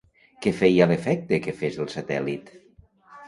Què feia l'efecte que fes el satèl·lit?